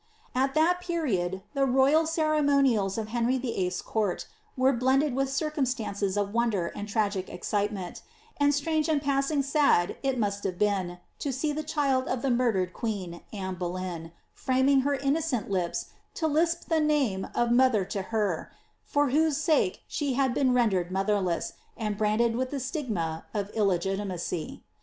At that period the royal ceremonials of Henry VIII.'s court were blended with circumstances of wonder and tragic excitement, and strange and passing sad, it must have been, to see the child of the murdered queen, Anne Boleyn, framing her innocent lips to lisp the name of mo ther to her, for whose sake she had been rendered motherless, and branded with the stigma of illegitimacy.